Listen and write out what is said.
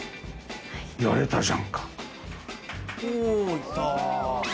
やれたじゃんか。